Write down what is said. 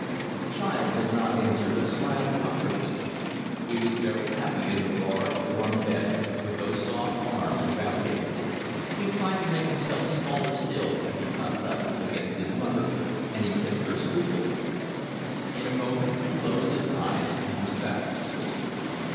The child did not answer, but smiled comfortably. He was very happy in the large, warm bed, with those soft arms about him. He tried to make himself smaller still as he cuddled up against his mother, and he kissed her sleepily. In a moment he closed his eyes and was fast asleep.